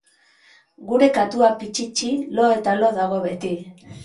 Gure katua Pitxitxi lo eta lo dago beti.